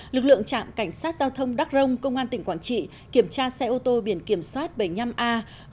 lực lượng trạm cảnh sát giao thông đắk rông công an tỉnh quảng trị kiểm tra xe ô tô biển kiểm soát bảy mươi năm a ba nghìn bốn trăm tám mươi chín